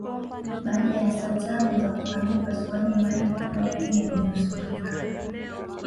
Baada ya saa tano za kufanyiwa upasuaji Yohane Paulo wa pili alinusurika